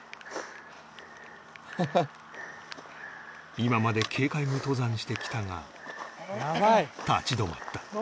今まで軽快に登山してきたが立ち止まった